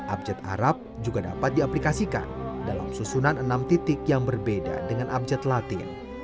abjet arab juga dapat diaplikasikan dalam susunan enam titik yang berbeda dengan abjek latin